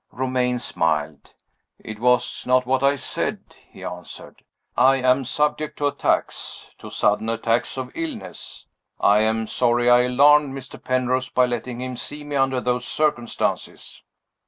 Romayne smiled. "It was not what I said," he answered. "I am subject to attacks to sudden attacks of illness. I am sorry I alarmed Mr. Penrose by letting him see me under those circumstances."